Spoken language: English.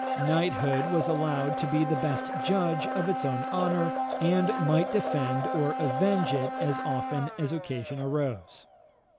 Knighthood was allowed to be the best judge of its own honour, and might defend or avenge it as often as occasion arose.